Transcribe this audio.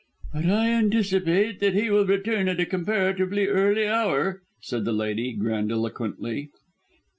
"But I anticipate that he will return at a comparatively early hour," said the lady grandiloquently.